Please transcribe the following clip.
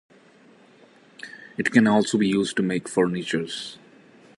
It can also be used to make furniture.